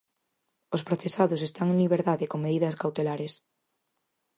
Os procesados están en liberdade con medidas cautelares.